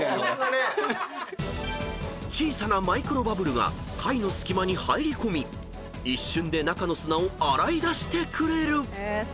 ［小さなマイクロバブルが貝の隙間に入り込み一瞬で中の砂を洗い出してくれる］